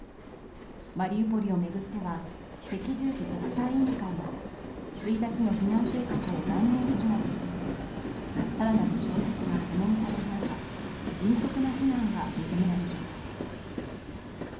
マリウポリを巡っては赤十字国際委員会が、１日の避難計画を断念するなどしていて更なる衝突が懸念される中、迅速な避難が求められています。